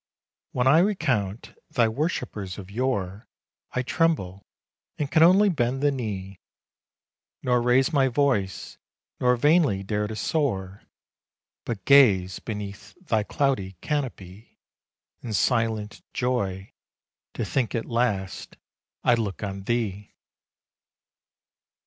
When I recount thy worshippers of yore I tremble, and can only bend the knee; 15 Nor raise my voice, nor vainly dare to soar, But gaze beneath thy cloudy canopy In silent joy to think at last I look on Thee!